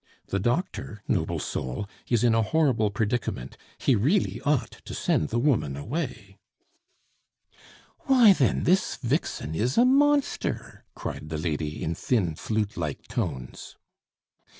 The doctor, noble soul, is in a horrible predicament. He really ought to send the woman away " "Why, then, this vixen is a monster!" cried the lady in thin flute like tones.